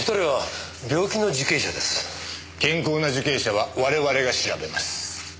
健康な受刑者は我々が調べます。